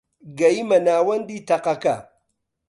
گەیمە ناوەندی تەقەکە